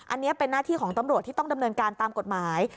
อันนี้เป็นหน้าที่ของตำรวจที่ต้องดำเนินการตามกฎหมาย